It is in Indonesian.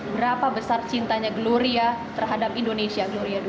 berapa besar cintanya gloria terhadap indonesia